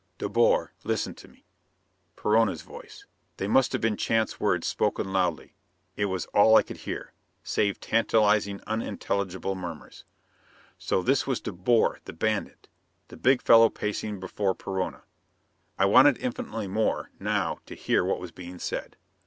"De Boer, listen to me " Perona's voice. They must have been chance words spoken loudly. It was all I could hear, save tantalizing, unintelligible murmurs. So this was De Boer, the bandit! The big fellow pacing before Perona. I wanted infinitely more, now, to hear what was being said.